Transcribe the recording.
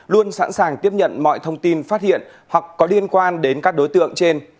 luôn sẵn sàng tiếp nhận mọi thông tin phát hiện hoặc có liên quan đến các đối tượng trên